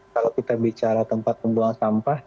kalau kita bicara tempat pembuangan sampah